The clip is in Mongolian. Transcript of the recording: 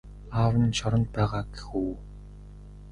Аав нь шоронд байгаа гэх үү?